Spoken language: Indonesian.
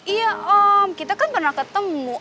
iya om kita kan pernah ketemu